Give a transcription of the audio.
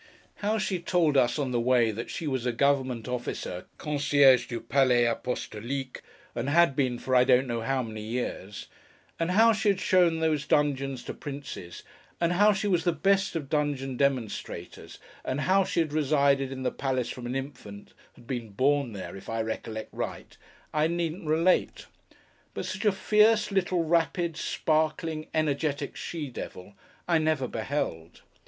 How she told us, on the way, that she was a Government Officer (concierge du palais a apostolique), and had been, for I don't know how many years; and how she had shown these dungeons to princes; and how she was the best of dungeon demonstrators; and how she had resided in the palace from an infant,—had been born there, if I recollect right,—I needn't relate. But such a fierce, little, rapid, sparkling, energetic she devil I never beheld.